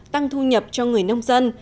tăng thu nhập cho người nông dân